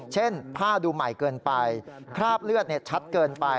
ผ้าดูใหม่เกินไปคราบเลือดชัดเกินไป